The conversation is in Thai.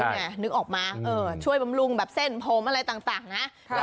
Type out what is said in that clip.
ใช่ไงนึกออกมาเออช่วยบำรุงแบบเส้นโพมอะไรต่างนะครับ